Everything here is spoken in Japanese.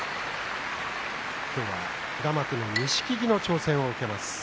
今日は平幕錦木の挑戦を受けます。